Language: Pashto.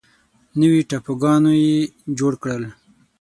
نوي ټاپوګانو یې جوړ کړل.